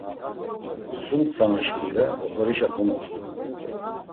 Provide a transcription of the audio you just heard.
Sum tzana şkule oxorişa komoxtu.